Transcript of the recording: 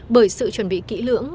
bởi sự chuẩn bị kỹ lưỡng